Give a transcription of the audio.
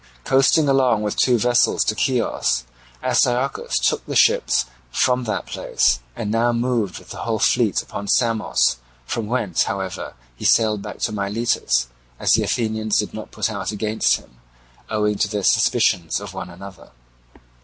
Coasting along with two vessels to Chios, Astyochus took the ships from that place, and now moved with the whole fleet upon Samos, from whence, however, he sailed back to Miletus, as the Athenians did not put out against him, owing to their suspicions of one another.